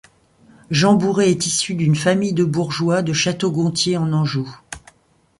Jean Bourré est issu d'une famille de bourgeois de Château-Gontier en Anjou.